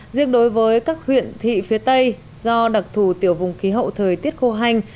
riêng đối với các huyện thị phía tây do đặc thù tiểu vùng khí hậu thời tiết khô hành